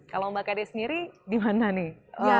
kalau mbak kade sendiri dimana nih